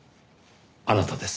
あなたです。